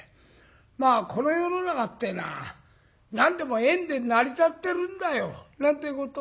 まあ「この世の中ってえのは何でも縁で成り立ってるんだよ」なんてことを申しますな。